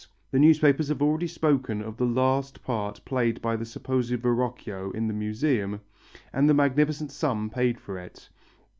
The newspapers have already spoken of the last part played by the supposed Verrocchio in the Museum, and the magnificent sum paid for it.